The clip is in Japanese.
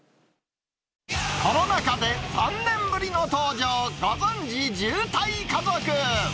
コロナ禍で３年ぶりの登場、ご存じ、渋滞家族。